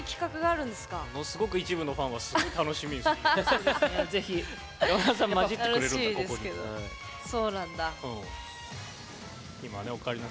ものすごく一部のファンは楽しみにしてますよね。